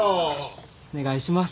お願いします。